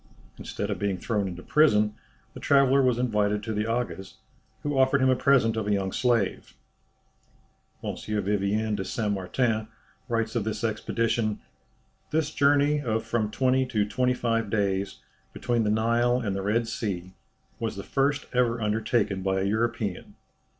Instead of being thrown into prison the traveller was invited to the Aga's, who offered him a present of a young slave. M. Vivien de Saint Martin writes of this expedition, "This journey of from twenty to twenty five days, between the Nile and the Red Sea, was the first ever undertaken by a European.